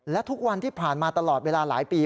และทุกวันที่ผ่านมาตลอดเวลาหลายปี